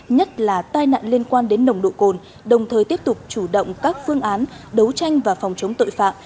nhất là tai nạn liên quan đến nồng độ cồn đồng thời tiếp tục chủ động các phương án đấu tranh và phòng chống tội phạm